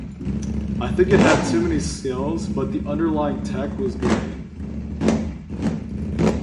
I think it had too many skills, but the underlying tech was great.